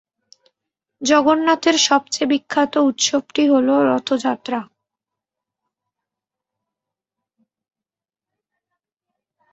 জগন্নাথের সবচেয়ে বিখ্যাত উৎসবটি হল রথযাত্রা।